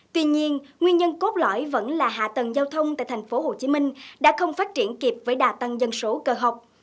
tuy nhiên nguyên nhân cốt lõi vẫn là hạ tầng giao thông tại tp hcm đã không phát triển kịp với đà tăng dân số cơ học